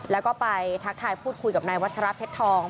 แล้วก็ไปทักทายพูดคุยกับนายวัชราเพชรทอง